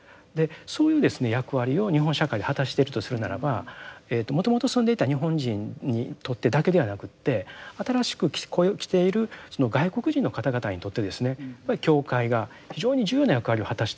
そういうですね役割を日本社会で果たしているとするならばもともと住んでいた日本人にとってだけではなくて新しく来ているその外国人の方々にとってですねやっぱり教会が非常に重要な役割を果たしているということをですね